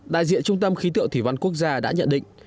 đại diện trung tâm khí tượng thủy văn quốc gia đã nhận định